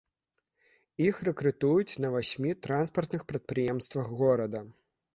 Іх рэкрутуюць на васьмі транспартных прадпрыемствах горада.